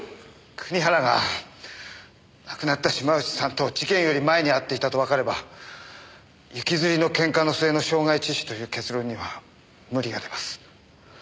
国原が亡くなった島内さんと事件より前に会っていたとわかれば行きずりのケンカの末の傷害致死という結論には無理が出ます。